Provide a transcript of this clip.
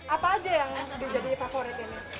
apa aja yang jadi favorit ini